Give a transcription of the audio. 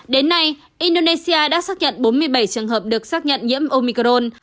đến nay indonesia đã xác nhận bốn mươi bảy trường hợp được xác nhận nhiễm omicron